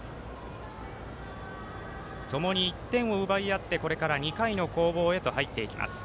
ともに１点を奪い合ってこれから２回の攻防へと入っていきます。